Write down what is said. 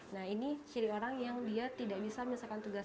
nah ini ciri orang yang dia tidak bisa menyelesaikan tugas